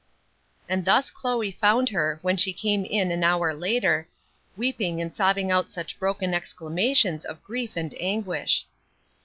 And thus Chloe found her, when she came in an hour later, weeping and sobbing out such broken exclamations of grief and anguish.